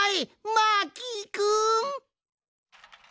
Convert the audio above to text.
マーキーくん！